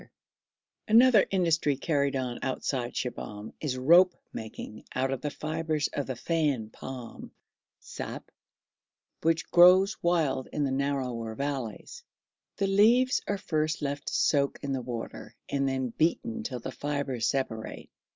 [Illustration: A SABÆAN ALTAR] Another industry carried on outside Shibahm is rope making out of the fibres of the fan palm (saap) which grows wild in the narrower valleys; the leaves are first left to soak in water, and then beaten till the fibres separate.